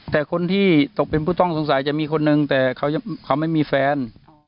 แต่คนที่ตกเป็นผู้ต้องสงสัยจะมีคนนึงแต่เขาไม่มีแฟน